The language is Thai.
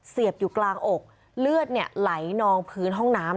เสียบอยู่กลางอกเลือดไหลนองพื้นห้องน้ำ